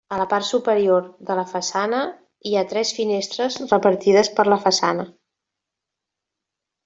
A la part superior de la façana, hi ha tres finestres repartides per la façana.